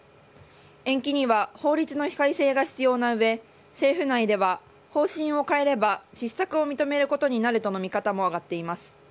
延期には法律の改正が必要な上政府内では、方針を変えれば失策を認めることになるとの見方も上がっています。